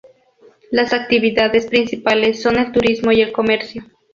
Las actividades principales son el turismo y el comercio.